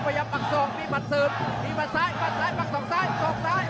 พยายามปักสองมีมัดเสิร์ฟมีมัดซ้ายมัดซ้ายปักสองซ้ายปักสองซ้าย